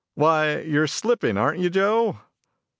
Why, you're slipping, aren't you, Joe?"